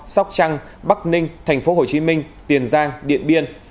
sóc trăng bắc ninh tp hcm tiền giang điện biên